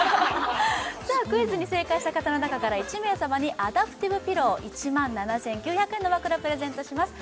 じゃあクイズに正解した方の中から１名様にアダプティブピロー１万７９００円の枕プレゼントします